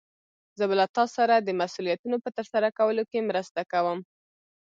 زه به له تا سره د مسؤليتونو په ترسره کولو کې مرسته کوم.